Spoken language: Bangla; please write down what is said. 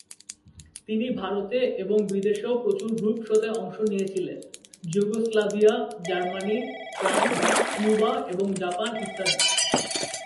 তিনি ভারতে এবং বিদেশেও প্রচুর গ্রুপ শোতে অংশ নিয়েছিলেন: যুগোস্লাভিয়া, জার্মানি, ফ্রান্স, কিউবা এবং জাপান ইত্যাদি।